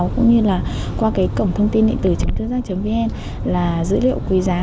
cũng như là qua cổng thông tin điện tử chốngthưgiác vn là dữ liệu quý giá